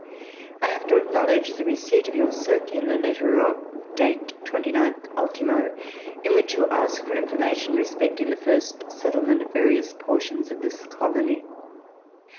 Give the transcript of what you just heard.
I have to acknowledge the receipt of your circular letter of date 29th ultimo, in which you ask for information respecting the first settlement of various portions of this colony.